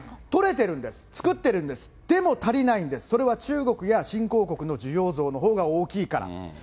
とれてるんです、作ってるんです、でも足りないんです、中国や新興国の需要増が大きいから。